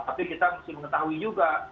tapi kita mesti mengetahui juga